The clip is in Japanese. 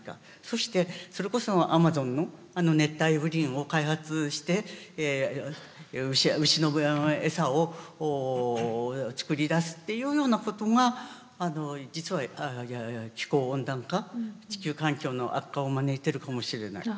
そしてそれこそアマゾンの熱帯雨林を開発して牛のエサを作り出すっていうようなことが実は気候温暖化地球環境の悪化を招いてるかもしれない。